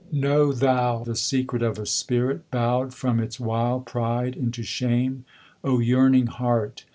Know thou the secret of a spirit Bow'd from its wild pride into shame. O yearning heart!